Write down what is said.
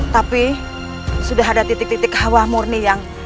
tapi sudah ada titik titik hawa murni yang